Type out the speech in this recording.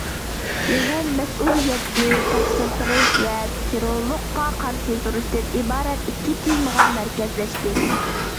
يىغىن مەسئۇلىيەتنى تەقسىم قىلىش ۋە تېررورلۇققا قارشى تۇرۇشتىن ئىبارەت ئىككى تېمىغا مەركەزلەشتى.